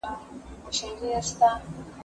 زه اجازه لرم چي سندري واورم؟